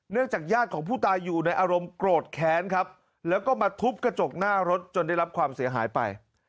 จากญาติของผู้ตายอยู่ในอารมณ์โกรธแค้นครับแล้วก็มาทุบกระจกหน้ารถจนได้รับความเสียหายไป